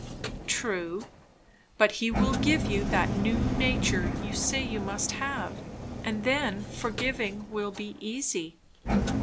'" "True; but he will give you that new nature you say you must have; and then forgiving will be easy."